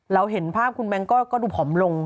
เห็นภาพคุณแบงค์ก็ดูผอมลง